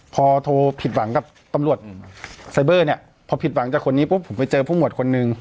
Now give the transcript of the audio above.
พอโทรผิดหวังกับตำรวจไซเบอร์เนี่ยพอผิดหวังจากคนนี้ปุ๊บผมไปเจอผู้หมวดคนหนึ่ง